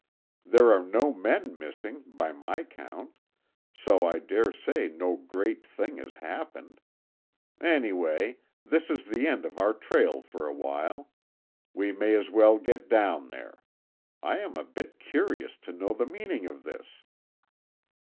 There are no men missing, by my count, so I dare say no great thing has happened. Anyway, this is the end of our trail for a while. We may as well get down there. I am a bit curious to know the meaning of this."